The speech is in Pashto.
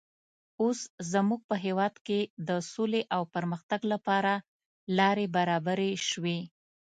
اوس زموږ په هېواد کې د سولې او پرمختګ لپاره لارې برابرې شوې.